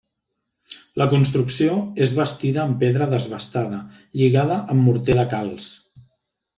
La construcció és bastida en pedra desbastada lligada amb morter de calç.